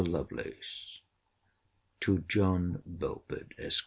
LOVELACE, TO JOHN BELFORD, ESQ.